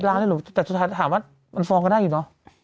ล้านหนูแต่สุดท้ายถามว่ามันฟองก็ได้อยู่เนอะ